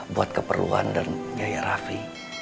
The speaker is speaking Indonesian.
buat keperluan dan gaya rafi